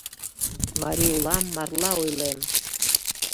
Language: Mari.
Марий улам, марла ойлем